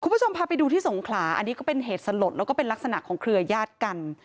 คุณผู้ชมพาไปดูที่สงขลาอันนี้ก็เป็นเหตุสลดแล้วก็เป็นลักษณะของเครือญาติกัน